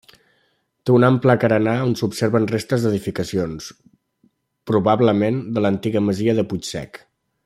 Té un ample carenar on s'observen restes d'edificacions, probablement de l'antiga masia de Puig Sec.